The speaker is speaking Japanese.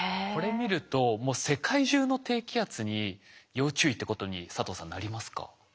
これ見るともう世界中の低気圧に要注意ってことに佐藤さんなりますか？